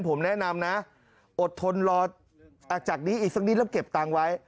ผมแนะนำนะอดทนรอจากนี้อีกสักนิดแล้วเก็บตังค์ไว้